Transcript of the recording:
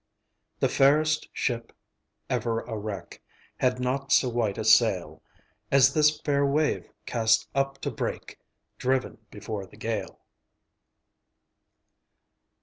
V The fairest ship ever a wreck Had not so white a sail As this fair wave cast up to break. Driven before the gale.